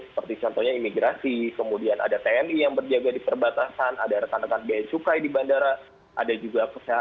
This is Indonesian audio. seperti contohnya imigrasi kemudian ada tni yang berjaga di perbatasan ada rekan rekan biaya cukai di bandara ada juga kesehatan